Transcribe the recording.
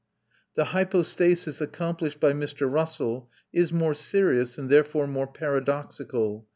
The hypostasis accomplished by Mr. Russell is more serious, and therefore more paradoxical.